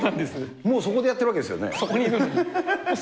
もうそこでやってるわけです